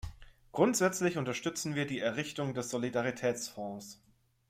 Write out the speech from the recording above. Grundsätzlich unterstützen wir die Errichtung des Solidaritätsfonds.